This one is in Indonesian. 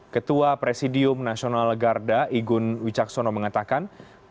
ketua presidium nasional garda igun wicaksono mengatakan